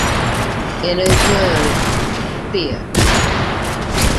In a word, fear.